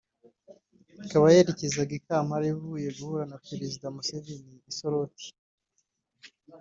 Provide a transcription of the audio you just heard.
ikaba yerekezaga i Kampala ivuye guhura na perezida Museveni i Soroti